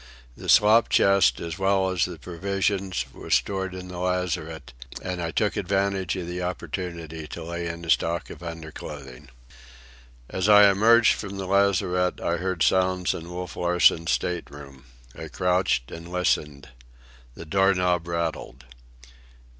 The slop chest, as well as the provisions, was stored in the lazarette, and I took advantage of the opportunity to lay in a stock of underclothing. As I emerged from the lazarette I heard sounds in Wolf Larsen's state room. I crouched and listened. The door knob rattled.